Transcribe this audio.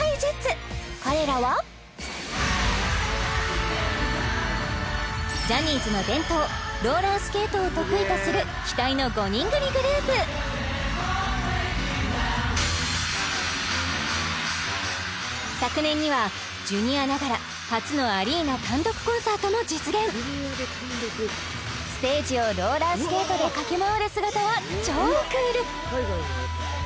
彼らはジャニーズの伝統ローラースケートを得意とする期待の５人組グループ昨年にはＪｒ．ながら初のアリーナ単独コンサートも実現ステージをローラースケートで駆け回る姿は超クール！